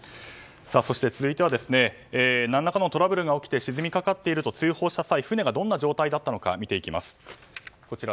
そして続いては何らかのトラブルが起きて沈みかかっていると、通報した際船がどんな状態だったのか見ていきます。